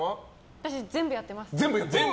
私、全部やってます。